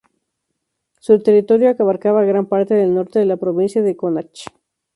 Su territorio abarcaba gran parte del norte de la provincia de Connacht.